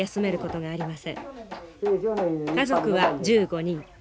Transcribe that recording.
家族は１５人。